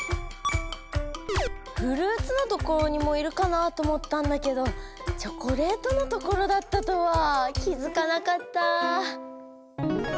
フルーツのところにもいるかなと思ったんだけどチョコレートのところだったとは気づかなかった。